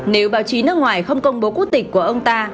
nếu báo chí nước ngoài không công bố quốc tịch của ông ta